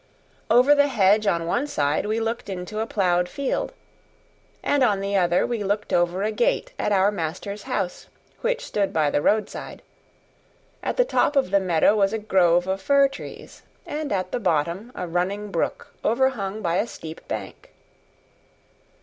Over the hedge on one side we looked into a plowed field, and on the other we looked over a gate at our master's house, which stood by the roadside; at the top of the meadow was a grove of fir trees, and at the bottom a running brook overhung by a steep bank.